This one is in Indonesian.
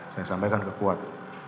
saya sampaikan ke kuat